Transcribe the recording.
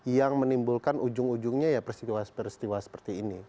yang menimbulkan ujung ujungnya ya peristiwa peristiwa seperti ini